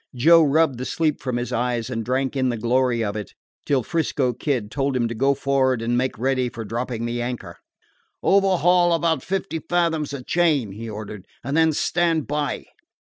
Joe rubbed the sleep from his eyes and drank in the glory of it till 'Frisco Kid told him to go for'ard and make ready for dropping the anchor. "Overhaul about fifty fathoms of chain," he ordered, "and then stand by."